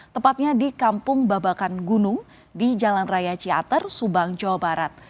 tepatnya di kampung babakan gunung di jalan raya ciater subang jawa barat